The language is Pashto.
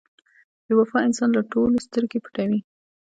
• بې وفا انسان له ټولو سترګې پټوي.